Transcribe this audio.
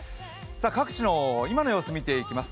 各地の今の様子見ていきます。